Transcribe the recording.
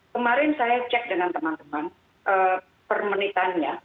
kemarin saya cek dengan teman teman per menitannya